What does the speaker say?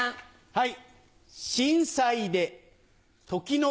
はい。